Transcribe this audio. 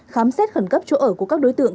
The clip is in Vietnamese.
khám xét khẩn cấp chỗ ở của các đối tượng